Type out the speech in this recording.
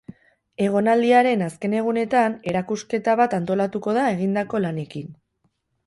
Egonaldiaren azken egunetan erakusketa bat antolatuko da egidako lanekin.